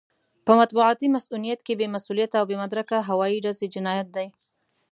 په مطبوعاتي مصؤنيت کې بې مسووليته او بې مدرکه هوايي ډزې جنايت دی.